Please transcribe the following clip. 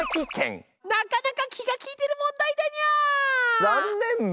なかなか気が利いてる問題だニャ！